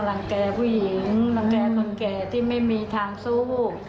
หลังแก่คนแก่ที่ไม่มีทางสู้